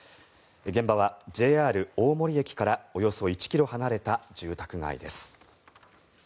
現場はＪＲ大森駅からおよそ１ｋｍ離れた住宅街です。